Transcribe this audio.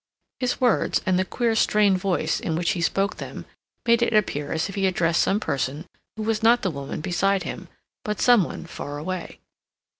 His words, and the queer strained voice in which he spoke them, made it appear as if he addressed some person who was not the woman beside him, but some one far away.